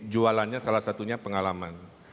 jualannya salah satunya pengalaman